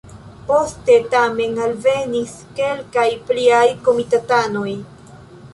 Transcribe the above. Poste tamen alvenis kelkaj pliaj komitatanoj.